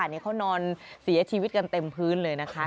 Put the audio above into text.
นี่เขานอนเสียชีวิตกันเต็มพื้นเลยนะคะ